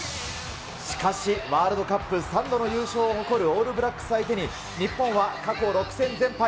しかし、ワールドカップ３度の優勝を誇るオールブラックス相手に、日本は過去６戦全敗。